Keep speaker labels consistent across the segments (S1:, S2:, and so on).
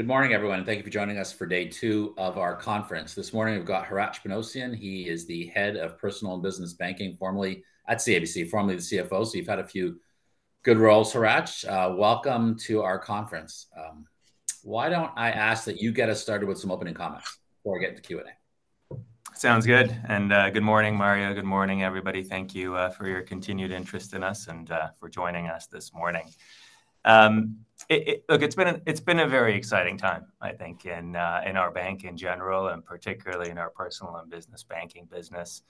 S1: Good morning, everyone, and thank you for joining us for day two of our conference. This morning we've got Hratch Panossian. He is the head of personal and business banking, formerly at CIBC, formerly the CFO. So you've had a few good roles, Hratch. Welcome to our conference. Why don't I ask that you get us started with some opening comments before we get into Q&A?
S2: Sounds good. Good morning, Mario. Good morning, everybody. Thank you for your continued interest in us and for joining us this morning. Look, it's been a very exciting time, I think, in our bank in general, and particularly in our Personal and Business Banking business.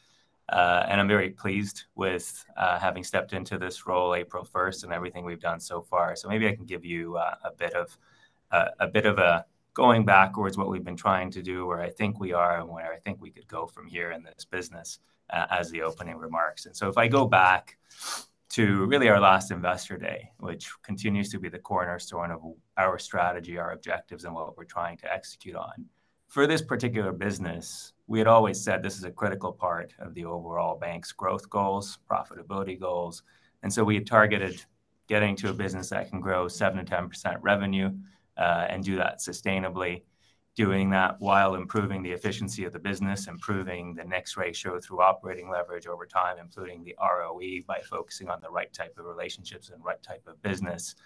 S2: I'm very pleased with having stepped into this role April 1 and everything we've done so far. Maybe I can give you a bit of a bit of a going backwards what we've been trying to do, where I think we are, and where I think we could go from here in this business, as the opening remarks. If I go back to really our last investor day, which continues to be the cornerstone of our strategy, our objectives, and what we're trying to execute on. For this particular business, we had always said this is a critical part of the overall bank's growth goals, profitability goals. So we had targeted getting to a business that can grow 7%-10% revenue and do that sustainably, doing that while improving the efficiency of the business, improving the NIX ratio through operating leverage over time, including the ROE by focusing on the right type of relationships and right type of business.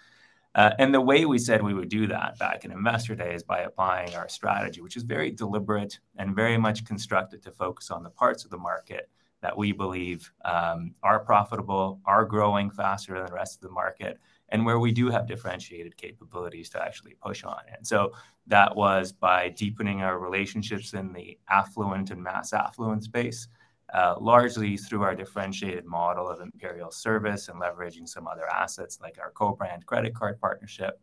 S2: The way we said we would do that back in Investor Day is by applying our strategy, which is very deliberate and very much constructed to focus on the parts of the market that we believe are profitable, are growing faster than the rest of the market, and where we do have differentiated capabilities to actually push on. And so that was by deepening our relationships in the affluent and mass affluent space, largely through our differentiated model of Imperial Service and leveraging some other assets like our co-brand credit card partnership.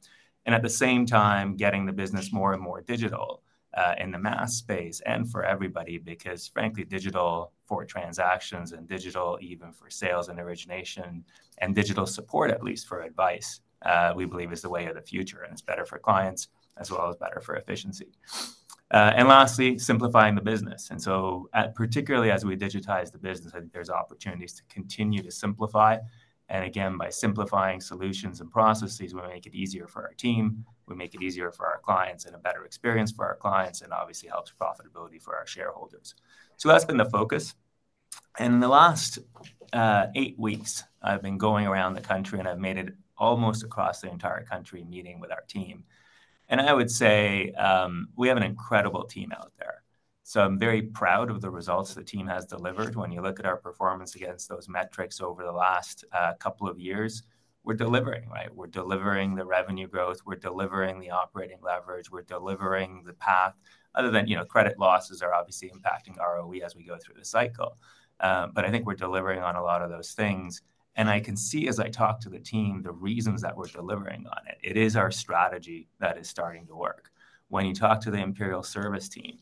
S2: And at the same time, getting the business more and more digital in the mass space and for everybody, because frankly, digital for transactions and digital even for sales and origination and digital support, at least for advice, we believe is the way of the future. And it's better for clients as well as better for efficiency. And lastly, simplifying the business. And so particularly as we digitize the business, I think there's opportunities to continue to simplify. And again, by simplifying solutions and processes, we make it easier for our team. We make it easier for our clients and a better experience for our clients, and obviously helps profitability for our shareholders. So that's been the focus. And in the last eight weeks, I've been going around the country, and I've made it almost across the entire country meeting with our team. And I would say we have an incredible team out there. So I'm very proud of the results the team has delivered. When you look at our performance against those metrics over the last couple of years, we're delivering, right? We're delivering the revenue growth. We're delivering the operating leverage. We're delivering the path. Other than credit losses are obviously impacting ROE as we go through the cycle. But I think we're delivering on a lot of those things. And I can see as I talk to the team the reasons that we're delivering on it. It is our strategy that is starting to work. When you talk to the Imperial Service team,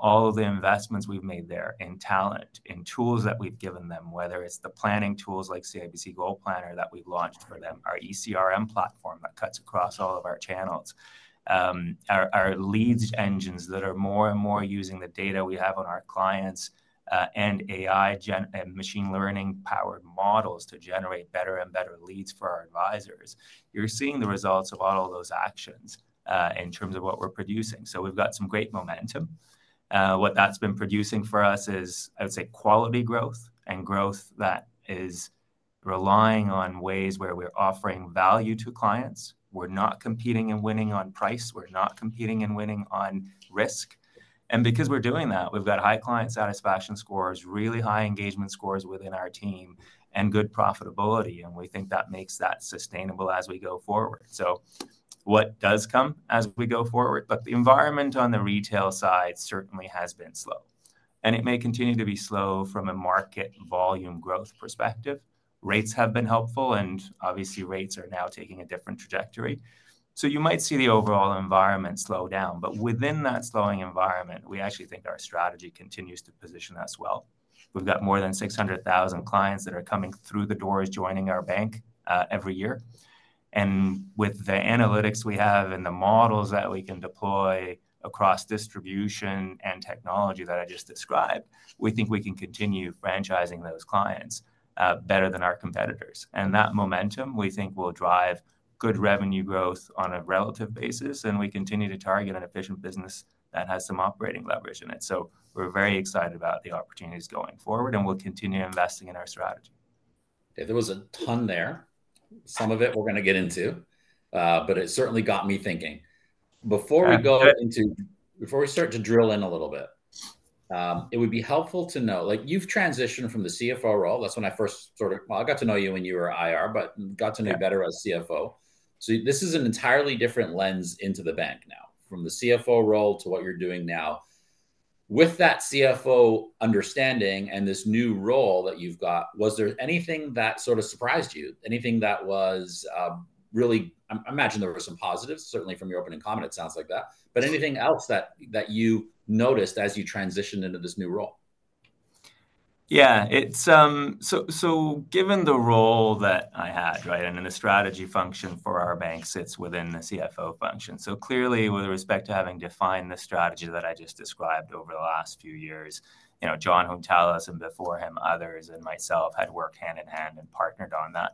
S2: all of the investments we've made there in talent, in tools that we've given them, whether it's the planning tools like CIBC GoalPlanner that we've launched for them, our ECRM platform that cuts across all of our channels, our lead engines that are more and more using the data we have on our clients, and AI and machine learning powered models to generate better and better leads for our advisors. You're seeing the results of all of those actions in terms of what we're producing. We've got some great momentum. What that's been producing for us is, I would say, quality growth and growth that is relying on ways where we're offering value to clients. We're not competing and winning on price. We're not competing and winning on risk. And because we're doing that, we've got high client satisfaction scores, really high engagement scores within our team, and good profitability. We think that makes that sustainable as we go forward. So what does come as we go forward? But the environment on the retail side certainly has been slow. It may continue to be slow from a market volume growth perspective. Rates have been helpful. Obviously, rates are now taking a different trajectory. So you might see the overall environment slow down. But within that slowing environment, we actually think our strategy continues to position us well. We've got more than 600,000 clients that are coming through the doors joining our bank every year. With the analytics we have and the models that we can deploy across distribution and technology that I just described, we think we can continue franchising those clients better than our competitors. That momentum, we think, will drive good revenue growth on a relative basis. We continue to target an efficient business that has some operating leverage in it. We're very excited about the opportunities going forward. We'll continue investing in our strategy.
S1: Yeah, there was a ton there. Some of it we're going to get into. But it certainly got me thinking. Before we start to drill in a little bit, it would be helpful to know you've transitioned from the CFO role. That's when I first sort of got to know you when you were IR, but got to know you better as CFO. So this is an entirely different lens into the bank now, from the CFO role to what you're doing now. With that CFO understanding and this new role that you've got, was there anything that sort of surprised you? Anything that was really, I imagine there were some positives, certainly from your opening comment, it sounds like that. But anything else that you noticed as you transitioned into this new role?
S2: Yeah. So given the role that I had, right, and then the strategy function for our bank sits within the CFO function. So clearly, with respect to having defined the strategy that I just described over the last few years, Jon Hountalas and before him, others and myself had worked hand in hand and partnered on that.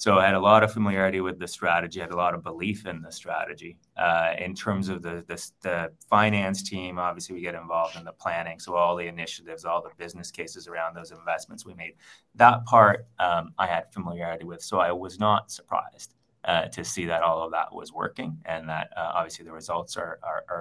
S2: So I had a lot of familiarity with the strategy. I had a lot of belief in the strategy. In terms of the finance team, obviously, we get involved in the planning. So all the initiatives, all the business cases around those investments we made, that part I had familiarity with. So I was not surprised to see that all of that was working and that obviously the results are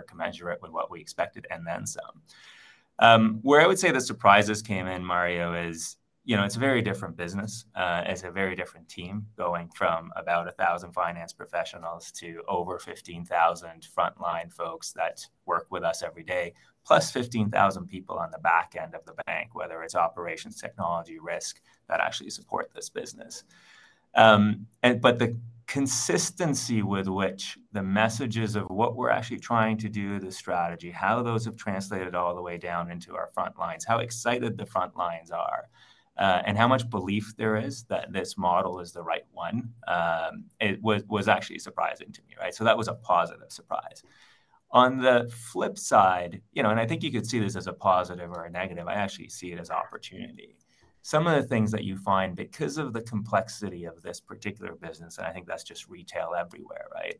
S2: commensurate with what we expected and then some. Where I would say the surprises came in, Mario, is it's a very different business. It's a very different team going from about 1,000 finance professionals to over 15,000 frontline folks that work with us every day, plus 15,000 people on the back end of the bank, whether it's operations, technology, risk that actually support this business. But the consistency with which the messages of what we're actually trying to do, the strategy, how those have translated all the way down into our front lines, how excited the front lines are, and how much belief there is that this model is the right one was actually surprising to me, right? So that was a positive surprise. On the flip side, and I think you could see this as a positive or a negative, I actually see it as opportunity. Some of the things that you find because of the complexity of this particular business, and I think that's just retail everywhere, right?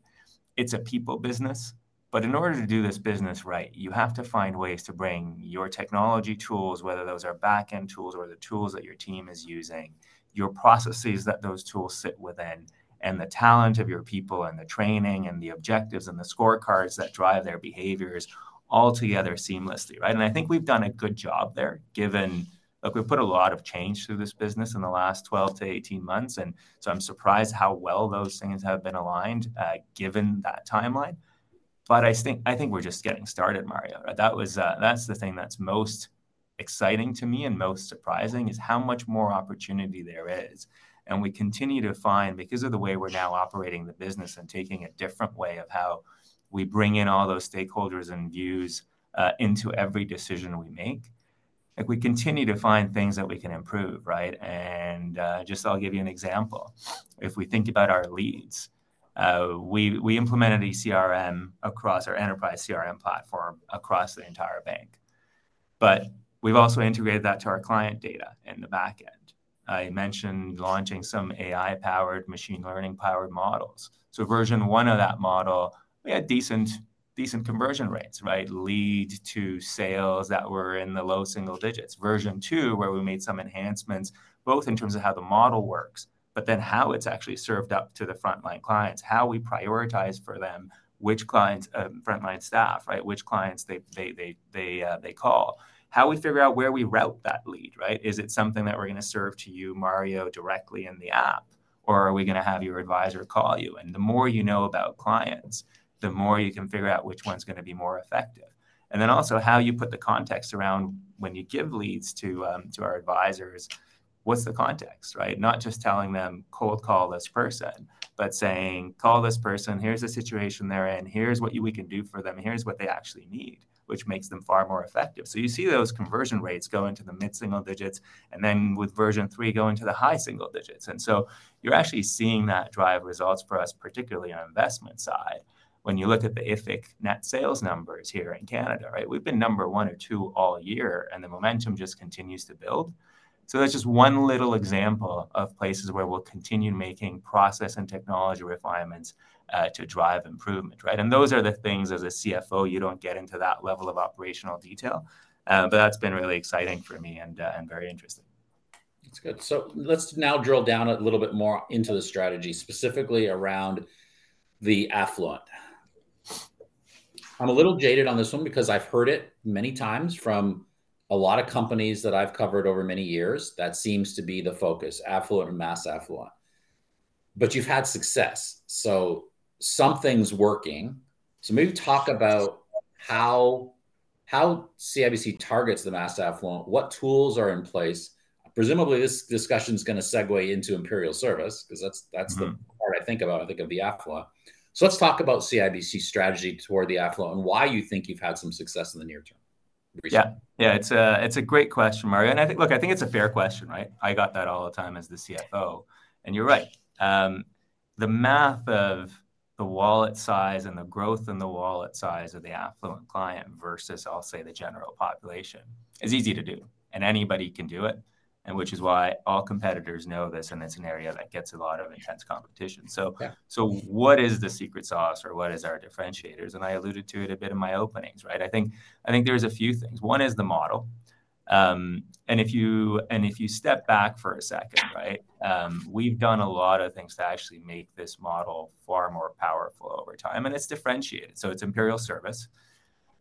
S2: It's a people business. But in order to do this business right, you have to find ways to bring your technology tools, whether those are back-end tools or the tools that your team is using, your processes that those tools sit within, and the talent of your people and the training and the objectives and the scorecards that drive their behaviors all together seamlessly, right? And I think we've done a good job there given we've put a lot of change through this business in the last 12-18 months. And so I'm surprised how well those things have been aligned given that timeline. But I think we're just getting started, Mario. That's the thing that's most exciting to me and most surprising is how much more opportunity there is. We continue to find because of the way we're now operating the business and taking a different way of how we bring in all those stakeholders and views into every decision we make, we continue to find things that we can improve, right? Just I'll give you an example. If we think about our leads, we implemented ECRM across our enterprise CRM platform across the entire bank. But we've also integrated that to our client data in the back end. I mentioned launching some AI-powered, machine learning-powered models. So version one of that model, we had decent conversion rates, right? Lead to sales that were in the low single digits. Version two, where we made some enhancements both in terms of how the model works, but then how it's actually served up to the frontline clients, how we prioritize for them which clients, frontline staff, right? Which clients they call. How we figure out where we route that lead, right? Is it something that we're going to serve to you, Mario, directly in the app, or are we going to have your advisor call you? And the more you know about clients, the more you can figure out which one's going to be more effective. And then also how you put the context around when you give leads to our advisors, what's the context, right? Not just telling them, "Cold call this person," but saying, "Call this person. Here's the situation they're in. Here's what we can do for them. Here's what they actually need," which makes them far more effective. So you see those conversion rates go into the mid-single digits, and then with version 3 go into the high single digits. And so you're actually seeing that drive results for us, particularly on the investment side. When you look at the IFIC net sales numbers here in Canada, right? We've been number one or two all year, and the momentum just continues to build. So that's just one little example of places where we'll continue making progress and technology refinements to drive improvement, right? And those are the things as a CFO, you don't get into that level of operational detail. But that's been really exciting for me and very interesting.
S1: That's good. So let's now drill down a little bit more into the strategy, specifically around the affluent. I'm a little jaded on this one because I've heard it many times from a lot of companies that I've covered over many years. That seems to be the focus, affluent and mass affluent. But you've had success. So something's working. So maybe talk about how CIBC targets the mass affluent, what tools are in place. Presumably, this discussion is going to segue into Imperial service because that's the part I think about when I think of the affluent. So let's talk about CIBC's strategy toward the affluent and why you think you've had some success in the near term.
S2: Yeah. Yeah, it's a great question, Mario. And look, I think it's a fair question, right? I got that all the time as the CFO. And you're right. The math of the wallet size and the growth in the wallet size of the affluent client versus, I'll say, the general population is easy to do. And anybody can do it, which is why all competitors know this and it's an area that gets a lot of intense competition. So what is the secret sauce or what is our differentiators? And I alluded to it a bit in my openings, right? I think there's a few things. One is the model. And if you step back for a second, right? We've done a lot of things to actually make this model far more powerful over time. And it's differentiated. So it's Imperial Service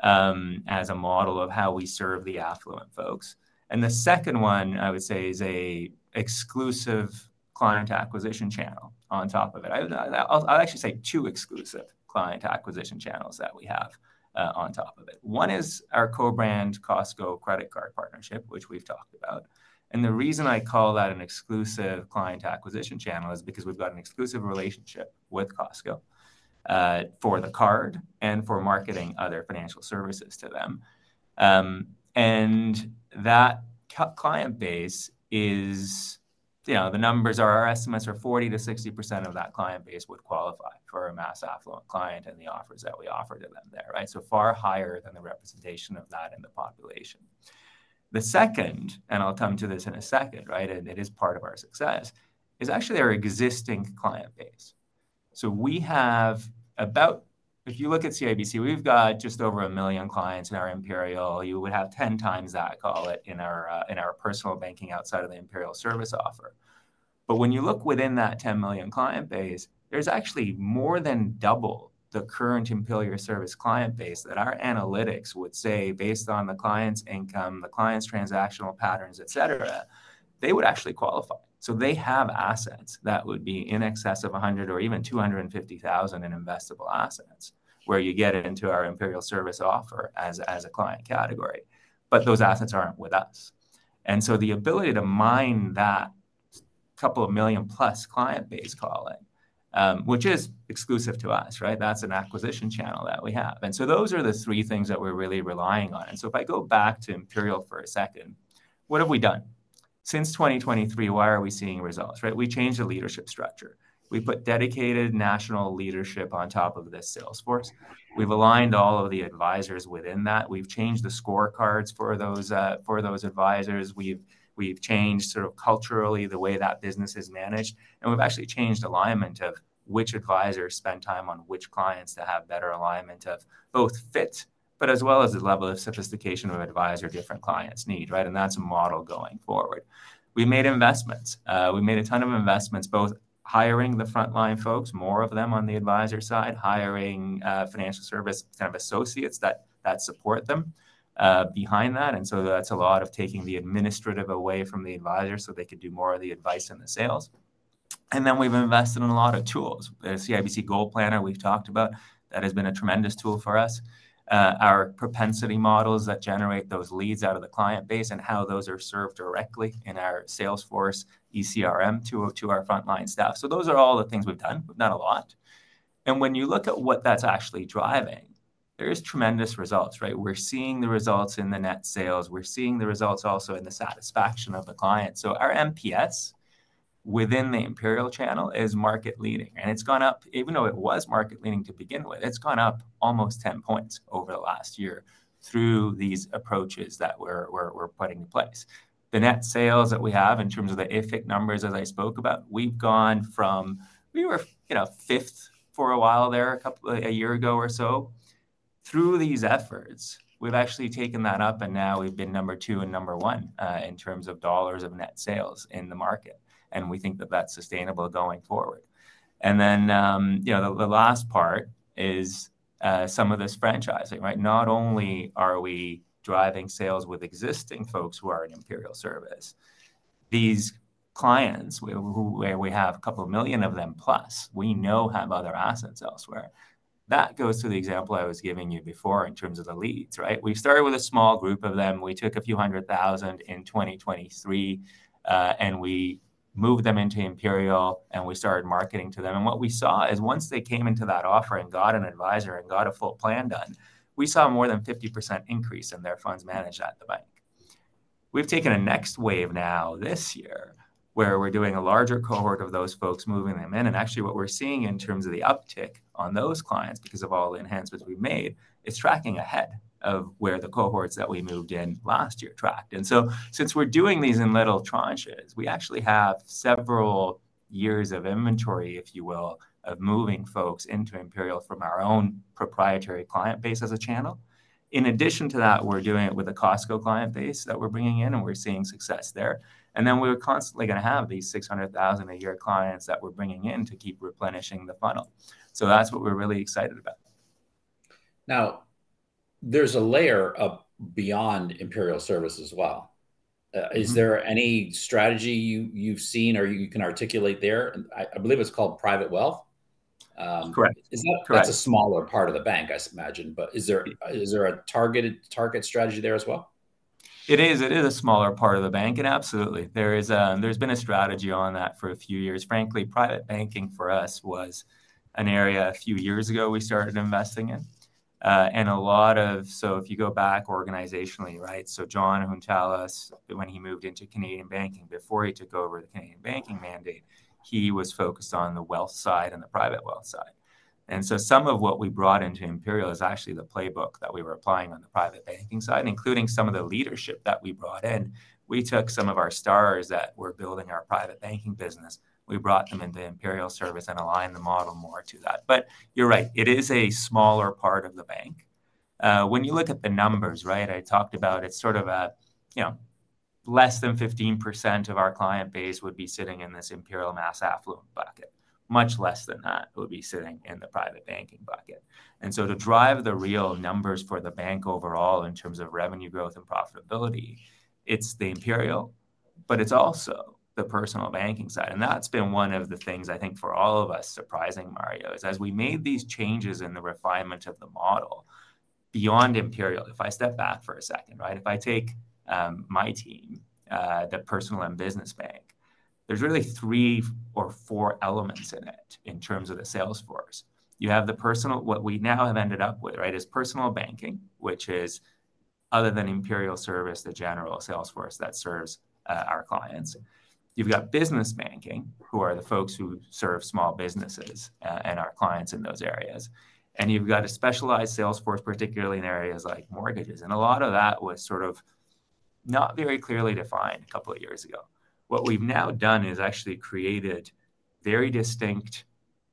S2: as a model of how we serve the affluent folks. And the second one, I would say, is an exclusive client acquisition channel on top of it. I'll actually say two exclusive client acquisition channels that we have on top of it. One is our co-brand Costco credit card partnership, which we've talked about. And the reason I call that an exclusive client acquisition channel is because we've got an exclusive relationship with Costco for the card and for marketing other financial services to them. And that client base is the numbers are our estimates are 40%-60% of that client base would qualify for a mass affluent client and the offers that we offer to them there, right? So far higher than the representation of that in the population. The second, and I'll come to this in a second, right? It is part of our success; it is actually our existing client base. So we have about if you look at CIBC, we've got just over 1 million clients in our Imperial Service. You would have 10 times that, call it, in our personal banking outside of the Imperial Service offer. But when you look within that 10 million client base, there's actually more than double the current Imperial Service client base that our analytics would say based on the client's income, the client's transactional patterns, et cetera, they would actually qualify. So they have assets that would be in excess of 100,000 or even 250,000 in investable assets where you get into our Imperial Service offer as a client category. But those assets aren't with us. And so the ability to mine that couple of million-plus client base, call it, which is exclusive to us, right? That's an acquisition channel that we have. And so those are the three things that we're really relying on. And so if I go back to Imperial for a second, what have we done? Since 2023, why are we seeing results, right? We changed the leadership structure. We put dedicated national leadership on top of this sales force. We've aligned all of the advisors within that. We've changed the scorecards for those advisors. We've changed sort of culturally the way that business is managed. And we've actually changed alignment of which advisors spend time on which clients to have better alignment of both fit, but as well as the level of sophistication of advisor different clients need, right? And that's a model going forward. We made investments. We made a ton of investments, both hiring the frontline folks, more of them on the advisor side, hiring financial service kind of associates that support them behind that. And so that's a lot of taking the administrative away from the advisor so they could do more of the advice and the sales. And then we've invested in a lot of tools. The CIBC GoalPlanner we've talked about that has been a tremendous tool for us. Our propensity models that generate those leads out of the client base and how those are served directly in our sales force, ECRM to our frontline staff. So those are all the things we've done, but not a lot. And when you look at what that's actually driving, there is tremendous results, right? We're seeing the results in the net sales. We're seeing the results also in the satisfaction of the client. So our MPS within the Imperial channel is market leading. It's gone up, even though it was market leading to begin with, it's gone up almost 10 points over the last year through these approaches that we're putting in place. The net sales that we have in terms of the IFIC numbers, as I spoke about, we've gone from we were fifth for a while there a year ago or so. Through these efforts, we've actually taken that up. Now we've been number two and number one in terms of dollars of net sales in the market. We think that that's sustainable going forward. Then the last part is some of this franchising, right? Not only are we driving sales with existing folks who are in Imperial Service, these clients where we have a couple of million of them plus, we now have other assets elsewhere. That goes to the example I was giving you before in terms of the leads, right? We started with a small group of them. We took a few hundred thousand in 2023, and we moved them into Imperial, and we started marketing to them. And what we saw is once they came into that offer and got an advisor and got a full plan done, we saw more than 50% increase in their funds managed at the bank. We've taken a next wave now this year where we're doing a larger cohort of those folks, moving them in. And actually what we're seeing in terms of the uptick on those clients because of all the enhancements we've made is tracking ahead of where the cohorts that we moved in last year tracked. So since we're doing these in little tranches, we actually have several years of inventory, if you will, of moving folks into Imperial from our own proprietary client base as a channel. In addition to that, we're doing it with the Costco client base that we're bringing in, and we're seeing success there. Then we're constantly going to have these 600,000 a year clients that we're bringing in to keep replenishing the funnel. That's what we're really excited about.
S1: Now, there's a layer beyond Imperial Service as well. Is there any strategy you've seen or you can articulate there? I believe it's called Private Wealth.
S2: Correct.
S1: That's a smaller part of the bank, I imagine. Is there a targeted target strategy there as well?
S2: It is. It is a smaller part of the bank. Absolutely. There's been a strategy on that for a few years. Frankly, private banking for us was an area a few years ago we started investing in. So if you go back organizationally, right? So Jon Hountalas, when he moved into Canadian Banking before he took over the Canadian Banking mandate, he was focused on the wealth side and the private wealth side. And so some of what we brought into Imperial is actually the playbook that we were applying on the private banking side, including some of the leadership that we brought in. We took some of our stars that were building our private banking business. We brought them into Imperial Service and aligned the model more to that. But you're right. It is a smaller part of the bank. When you look at the numbers, right? I talked about it's sort of less than 15% of our client base would be sitting in this Imperial mass affluent bucket. Much less than that would be sitting in the private banking bucket. And so to drive the real numbers for the bank overall in terms of revenue growth and profitability, it's the Imperial, but it's also the personal banking side. And that's been one of the things I think for all of us surprising, Mario, is as we made these changes in the refinement of the model beyond Imperial, if I step back for a second, right? If I take my team, the personal and business bank, there's really three or four elements in it in terms of the sales force. You have the personal, what we now have ended up with, right, is personal banking, which is other than Imperial Service, the general sales force that serves our clients. You've got business banking, who are the folks who serve small businesses and our clients in those areas. And you've got a specialized sales force, particularly in areas like mortgages. And a lot of that was sort of not very clearly defined a couple of years ago. What we've now done is actually created very distinct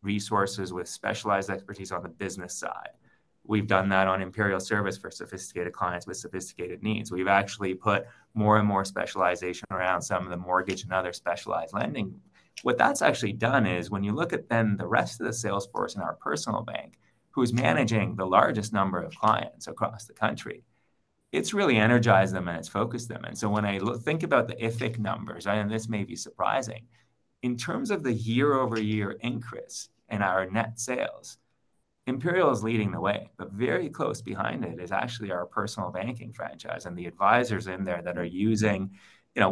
S2: resources with specialized expertise on the business side. We've done that on Imperial Service for sophisticated clients with sophisticated needs. We've actually put more and more specialization around some of the mortgage and other specialized lending. What that's actually done is when you look at then the rest of the sales force in our personal bank, who's managing the largest number of clients across the country, it's really energized them and it's focused them. And so when I think about the IFIC numbers, and this may be surprising, in terms of the year-over-year increase in our net sales, Imperial is leading the way. But very close behind it is actually our personal banking franchise and the advisors in there that are using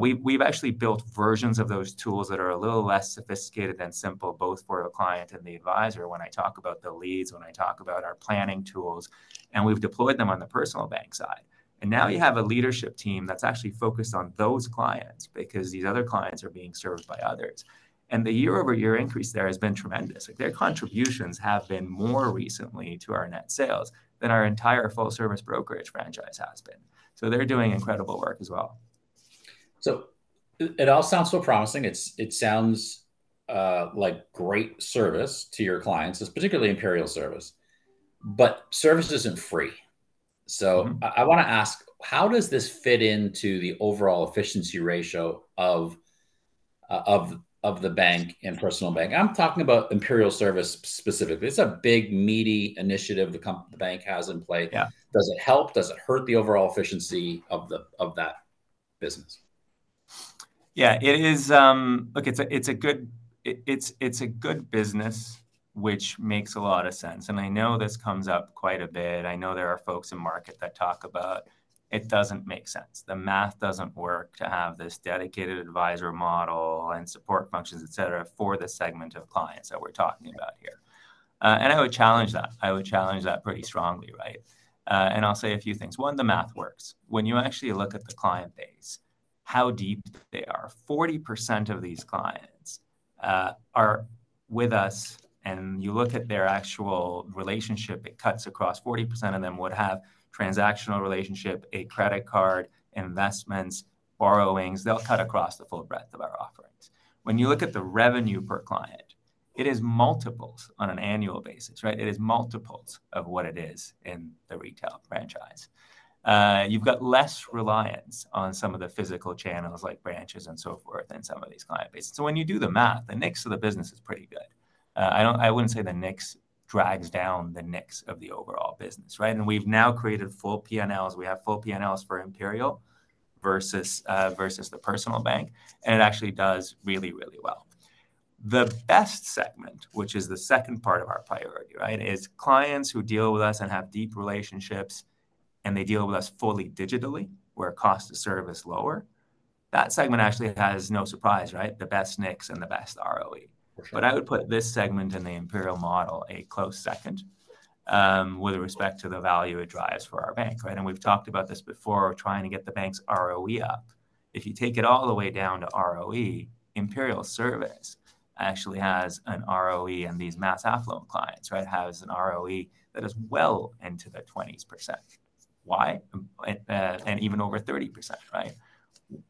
S2: we've actually built versions of those tools that are a little less sophisticated than Simplii, both for a client and the advisor when I talk about the leads, when I talk about our planning tools. And we've deployed them on the personal bank side. Now you have a leadership team that's actually focused on those clients because these other clients are being served by others. The year-over-year increase there has been tremendous. Their contributions have been more recently to our net sales than our entire full-service brokerage franchise has been. They're doing incredible work as well.
S1: So it all sounds so promising. It sounds like great service to your clients, particularly Imperial Service. But service isn't free. So I want to ask, how does this fit into the overall efficiency ratio of the bank and personal bank? I'm talking about Imperial Service specifically. It's a big, meaty initiative the bank has in play. Does it help? Does it hurt the overall efficiency of that business?
S2: Yeah. Look, it's a good business, which makes a lot of sense. And I know this comes up quite a bit. I know there are folks in market that talk about it doesn't make sense. The math doesn't work to have this dedicated advisor model and support functions, et cetera, for the segment of clients that we're talking about here. And I would challenge that. I would challenge that pretty strongly, right? And I'll say a few things. One, the math works. When you actually look at the client base, how deep they are. 40% of these clients are with us. And you look at their actual relationship, it cuts across 40% of them would have transactional relationship, a credit card, investments, borrowings. They'll cut across the full breadth of our offerings. When you look at the revenue per client, it is multiples on an annual basis, right? It is multiples of what it is in the retail franchise. You've got less reliance on some of the physical channels like branches and so forth in some of these client bases. So when you do the math, the NIX of the business is pretty good. I wouldn't say the NIX drags down the NIX of the overall business, right? And we've now created full P&Ls. We have full P&Ls for Imperial versus the personal bank. And it actually does really, really well. The best segment, which is the second part of our priority, right, is clients who deal with us and have deep relationships, and they deal with us fully digitally where cost of service is lower. That segment actually has no surprise, right? The best NIX and the best ROE. But I would put this segment in the Imperial model a close second with respect to the value it drives for our bank, right? And we've talked about this before. We're trying to get the bank's ROE up. If you take it all the way down to ROE, Imperial Service actually has an ROE, and these mass affluent clients, right, have an ROE that is well into the 20%. Why? And even over 30%, right?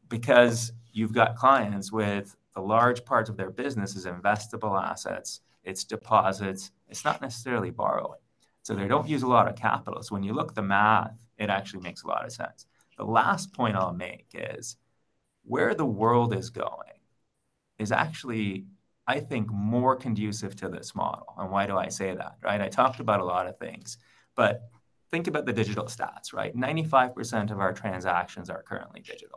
S2: Because you've got clients with the large parts of their business as investable assets. It's deposits. It's not necessarily borrowing. So they don't use a lot of capital. So when you look at the math, it actually makes a lot of sense. The last point I'll make is where the world is going is actually, I think, more conducive to this model. And why do I say that, right? I talked about a lot of things. But think about the digital stats, right? 95% of our transactions are currently digital.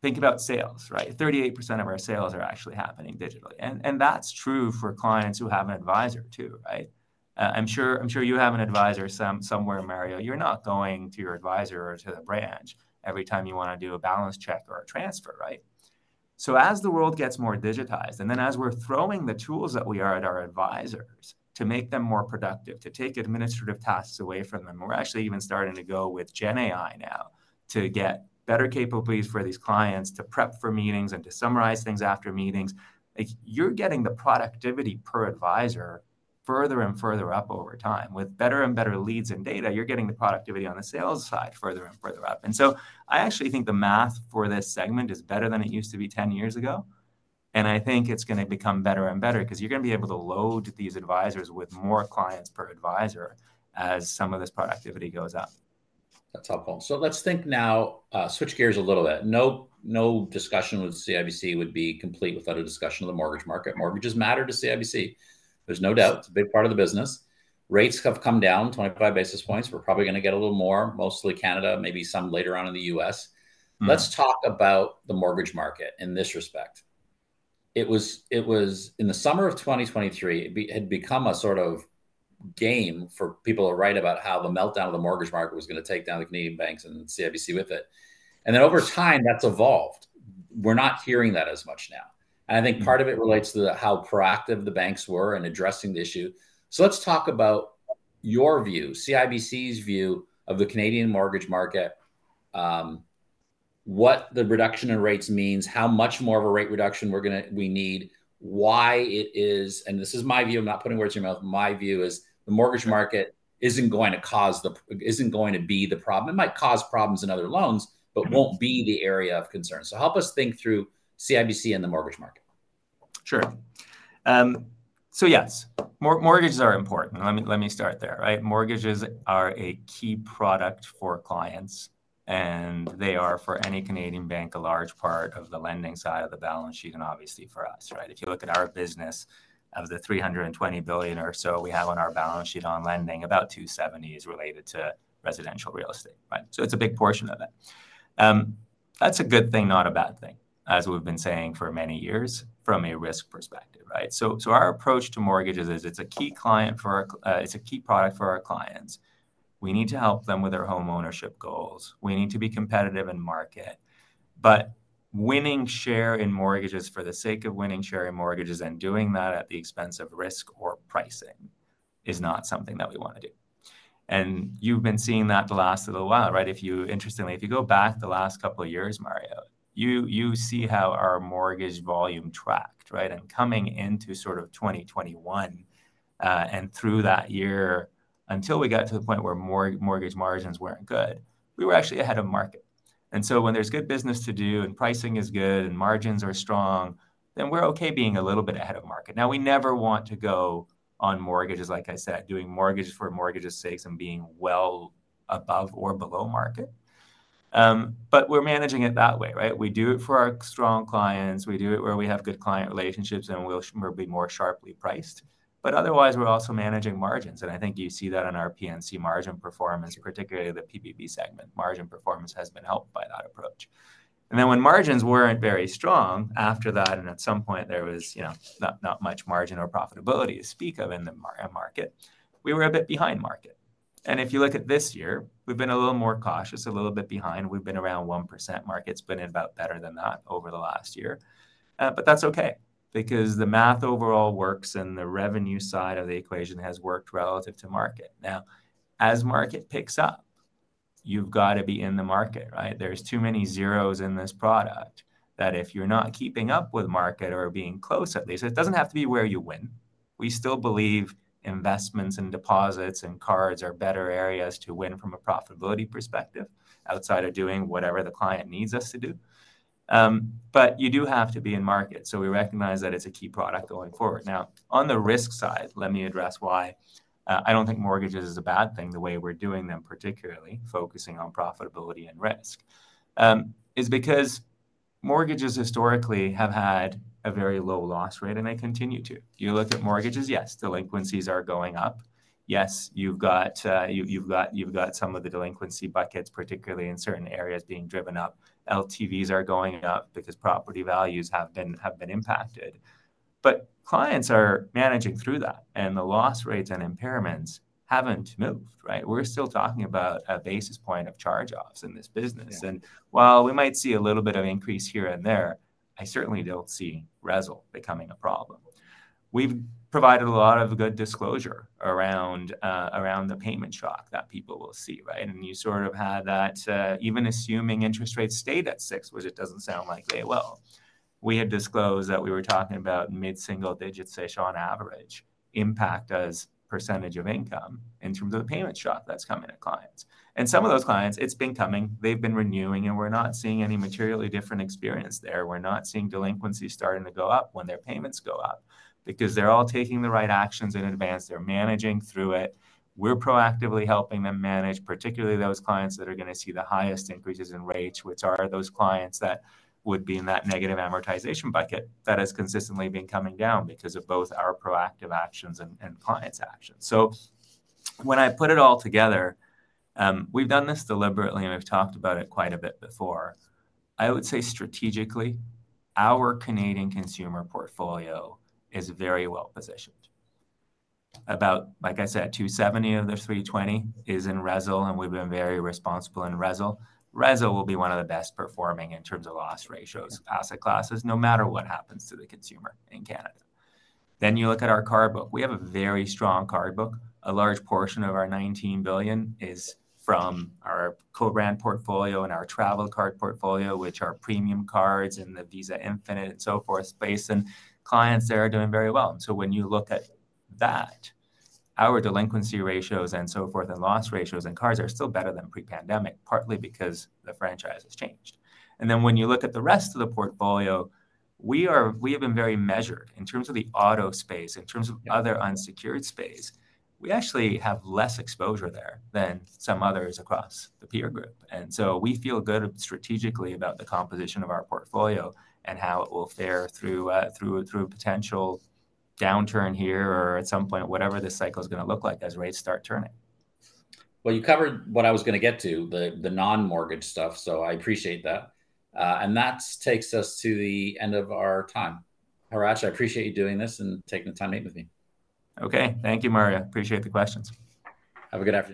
S2: Think about sales, right? 38% of our sales are actually happening digitally. And that's true for clients who have an advisor too, right? I'm sure you have an advisor somewhere, Mario. You're not going to your advisor or to the branch every time you want to do a balance check or a transfer, right? So as the world gets more digitized, and then as we're throwing the tools that we are at our advisors to make them more productive, to take administrative tasks away from them, we're actually even starting to go with GenAI now to get better capabilities for these clients to prep for meetings and to summarize things after meetings. You're getting the productivity per advisor further and further up over time. With better and better leads and data, you're getting the productivity on the sales side further and further up. And so I actually think the math for this segment is better than it used to be 10 years ago. And I think it's going to become better and better because you're going to be able to load these advisors with more clients per advisor as some of this productivity goes up.
S1: That's helpful. So let's think now, switch gears a little bit. No discussion with CIBC would be complete without a discussion of the mortgage market. Mortgages matter to CIBC. There's no doubt. It's a big part of the business. Rates have come down 25 basis points. We're probably going to get a little more, mostly Canada, maybe some later on in the U.S. Let's talk about the mortgage market in this respect. It was in the summer of 2023, it had become a sort of game for people to write about how the meltdown of the mortgage market was going to take down the Canadian banks and CIBC with it. And then over time, that's evolved. We're not hearing that as much now. And I think part of it relates to how proactive the banks were in addressing the issue. So let's talk about your view, CIBC's view of the Canadian mortgage market, what the reduction in rates means, how much more of a rate reduction we need, why it is, and this is my view, I'm not putting words in your mouth, my view is the mortgage market isn't going to cause the isn't going to be the problem. It might cause problems in other loans, but won't be the area of concern. So help us think through CIBC and the mortgage market.
S2: Sure. So yes, mortgages are important. Let me start there, right? Mortgages are a key product for clients. And they are for any Canadian bank a large part of the lending side of the balance sheet and obviously for us, right? If you look at our business of the 320 billion or so we have on our balance sheet on lending, about 270 billion is related to residential real estate, right? So it's a big portion of it. That's a good thing, not a bad thing, as we've been saying for many years from a risk perspective, right? So our approach to mortgages is it's a key client for it's a key product for our clients. We need to help them with their homeownership goals. We need to be competitive in market. But winning share in mortgages for the sake of winning share in mortgages and doing that at the expense of risk or pricing is not something that we want to do. You've been seeing that the last little while, right? Interestingly, if you go back the last couple of years, Mario, you see how our mortgage volume tracked, right? Coming into sort of 2021 and through that year until we got to the point where mortgage margins weren't good, we were actually ahead of market. So when there's good business to do and pricing is good and margins are strong, then we're okay being a little bit ahead of market. Now, we never want to go on mortgages, like I said, doing mortgages for mortgage's sake and being well above or below market. But we're managing it that way, right? We do it for our strong clients. We do it where we have good client relationships and we'll be more sharply priced. But otherwise, we're also managing margins. I think you see that in our NIM margin performance, particularly the PBB segment. Margin performance has been helped by that approach. Then when margins weren't very strong after that, and at some point there was not much margin or profitability to speak of in the market, we were a bit behind market. If you look at this year, we've been a little more cautious, a little bit behind. We've been around 1%. Market's been a bit better than that over the last year. But that's okay because the math overall works and the revenue side of the equation has worked relative to market. Now, as market picks up, you've got to be in the market, right? There's too many zeros in this product that if you're not keeping up with market or being close at least, it doesn't have to be where you win. We still believe investments and deposits and cards are better areas to win from a profitability perspective outside of doing whatever the client needs us to do. But you do have to be in market. So we recognize that it's a key product going forward. Now, on the risk side, let me address why I don't think mortgages is a bad thing the way we're doing them, particularly focusing on profitability and risk, is because mortgages historically have had a very low loss rate and they continue to. You look at mortgages, yes, delinquencies are going up. Yes, you've got some of the delinquency buckets, particularly in certain areas being driven up. LTVs are going up because property values have been impacted. But clients are managing through that. And the loss rates and impairments haven't moved, right? We're still talking about a basis point of charge-offs in this business. And while we might see a little bit of increase here and there, I certainly don't see reserves becoming a problem. We've provided a lot of good disclosure around the payment shock that people will see, right? And you sort of had that even assuming interest rates stayed at 6, which it doesn't sound like they will. We had disclosed that we were talking about mid-single digits, say, an average impact as percentage of income in terms of the payment shock that's coming to clients. And some of those clients, it's been coming. They've been renewing and we're not seeing any materially different experience there. We're not seeing delinquency starting to go up when their payments go up because they're all taking the right actions in advance. They're managing through it. We're proactively helping them manage, particularly those clients that are going to see the highest increases in rates, which are those clients that would be in that negative amortization bucket that has consistently been coming down because of both our proactive actions and clients' actions. So when I put it all together, we've done this deliberately and we've talked about it quite a bit before. I would say strategically, our Canadian consumer portfolio is very well positioned. About, like I said, 270 of the 320 is in RESL and we've been very responsible in RESL. Resolve will be one of the best performing in terms of loss ratios, asset classes, no matter what happens to the consumer in Canada. Then you look at our card book. We have a very strong card book. A large portion of our 19 billion is from our co-brand portfolio and our travel card portfolio, which are premium cards and the Visa Infinite and so forth, based on clients that are doing very well. And so when you look at that, our delinquency ratios and so forth and loss ratios and cards are still better than pre-pandemic, partly because the franchise has changed. And then when you look at the rest of the portfolio, we have been very measured in terms of the auto space, in terms of other unsecured space. We actually have less exposure there than some others across the peer group. And so we feel good strategically about the composition of our portfolio and how it will fare through potential downturn here or at some point, whatever the cycle is going to look like as rates start turning.
S1: Well, you covered what I was going to get to, the non-mortgage stuff. So I appreciate that. And that takes us to the end of our time. Hratch, I appreciate you doing this and taking the time to meet with me.
S2: Okay. Thank you, Mario. Appreciate the questions.
S1: Have a good day.